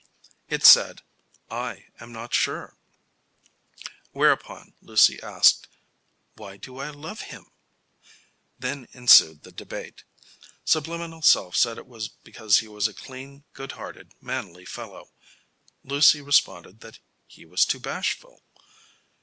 It said: "I am not sure." Whereupon Lucy asked: "Why do I love him?" Then ensued the debate. Subliminal self said it was because he was a clean, good hearted, manly fellow. Lucy responded that he was too bashful.